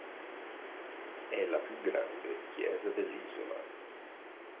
È la più grande chiesa dell'isola.